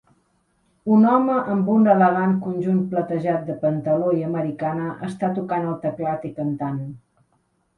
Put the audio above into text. Un home amb un elegant conjunt platejat de pantaló i americana, està tocant el teclat i cantant.